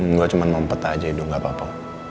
gue cuman mampet aja hidung gakpapa